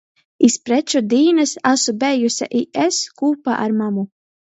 Iz preču dīnys asu bejuse i es, kūpā ar mamu.